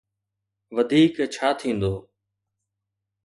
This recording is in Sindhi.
وڌيڪ ڇا ٿيندو؟